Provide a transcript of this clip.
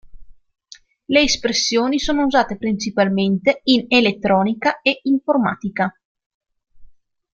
Le espressioni sono usate principalmente in elettronica e informatica.